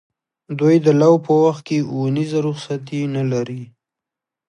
دوی د لو په وخت کې اونیزه رخصتي نه لري.